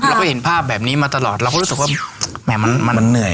เราก็เห็นภาพแบบนี้มาตลอดเราก็รู้สึกว่าแหมมันเหนื่อย